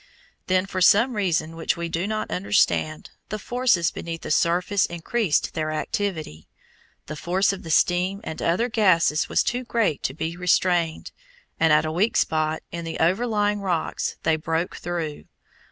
Then, for some reason which we do not understand, the forces beneath the surface increased their activity. The force of the steam and other gases was too great to be restrained, and at a weak spot in the overlying rocks they broke through.